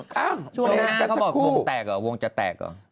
เขาบอกวงจะแตกหรอ